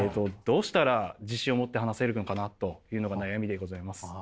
どうしたら自信を持って話せるのかなというのが悩みでございます。